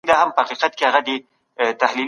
د زکات پروسه بايد په سمه توګه وي.